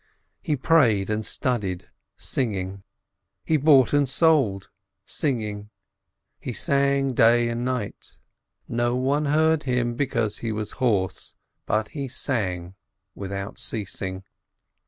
He prayed and studied, sing ing. He bought and sold, singing. He sang day and night. No one heard him, because he was hoarse, but he sang without ceasing.